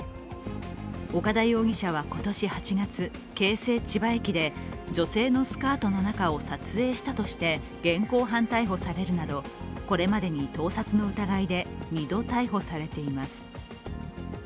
岡田容疑者は今年８月、京成千葉駅で女性のスカートの中を撮影したとして現行犯逮捕されるなど、これまでに盗撮の疑いで２度逮捕されています